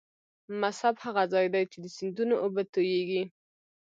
مصب هغه ځاي دې چې د سیندونو اوبه تویږي.